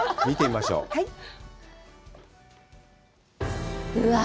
見てみましょう！